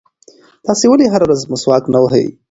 تاسې ولې هره ورځ مسواک نه وهئ؟